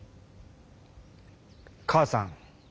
母さん。